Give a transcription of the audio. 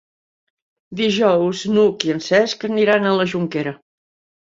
Dijous n'Hug i en Cesc aniran a la Jonquera.